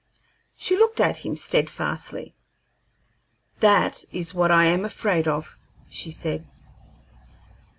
She looked at him steadfastly. "That is what I am afraid of," she said.